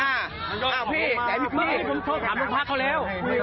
ช่วยตามลงพักเขาเร็ว